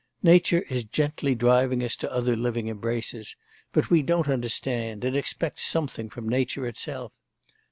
Nature is gently driving us to other living embraces, but we don't understand, and expect something from nature herself.